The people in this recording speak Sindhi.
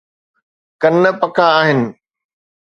ڪن پڪا آهن.